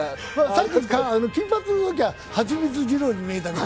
金髪のときは、ハチミツ二郎に見えたけど。